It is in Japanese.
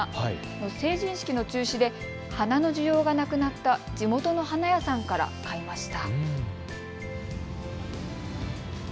成人式の中止で花の需要がなくなった地元の花屋さんから買いました。